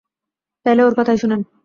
তাইলে ওর কথাই শুনেন।